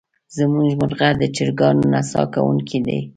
زمونږ مرغه د چرګانو نڅا کوونکې دی.